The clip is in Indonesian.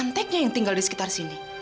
anteknya yang tinggal di sekitar sini